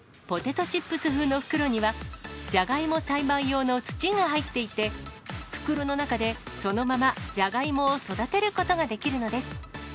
ポテトチップス風の袋には、じゃがいも栽培用の土が入っていて、袋の中で、そのままじゃがいもを育てることができるのです。